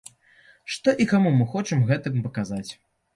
Што і каму мы хочам гэтым паказаць?